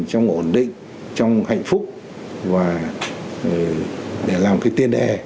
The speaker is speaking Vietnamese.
trong ổn định trong hạnh phúc và để làm cái tiên đề